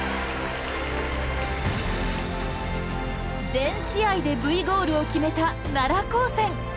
全試合でＶゴールを決めた奈良高専。